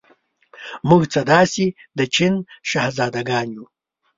موږ څه داسې د چین شهزادګان یو.